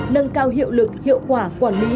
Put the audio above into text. nâng cao hiệu lực hiệu quả quản lý